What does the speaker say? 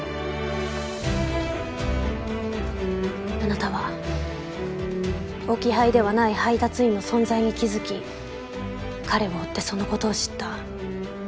あなたは置き配ではない配達員の存在に気づき彼を追ってそのことを知った。